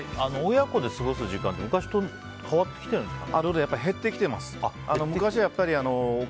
親子で過ごす時間って昔と変わってきてるんですかね。